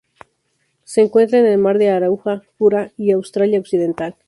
Se encuentra en el Mar de Arafura y Australia Occidental.